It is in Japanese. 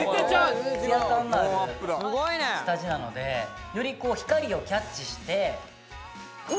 ツヤ感のある下地なのでより光をキャッチして。